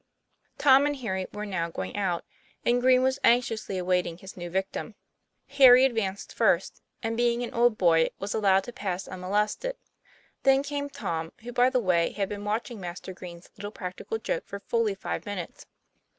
Tom and Harry were now going out; and Green was anxiously awaiting his new victim. Harry advanced first, and, being an old boy, was allowed to pass unmolested ; then came Tom, who, by the way, had been watching Master Green's little practical joke for fully five minutes.